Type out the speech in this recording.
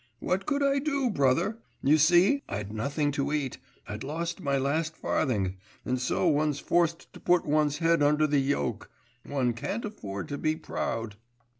What could I do, brother? You see, I'd nothing to eat, I'd lost my last farthing, and so one's forced to put one's head under the yoke. One can't afford to be proud.